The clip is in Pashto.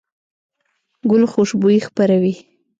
ګل خوشبويي خپروي.